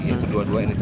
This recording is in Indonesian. yaitu dua dua ini